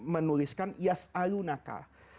menuliskan yas'alu naka